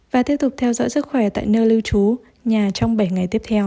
và tiếp tục theo dõi sức khỏe tại nơi lưu trú nhà trong bảy ngày tiếp theo